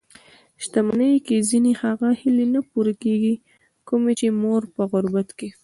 شتمني کې ځينې هغه هیلې نه پوره کېږي؛ کومې چې مو په غربت کې